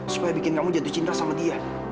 supaya bikin kamu jatuh cinta sama dia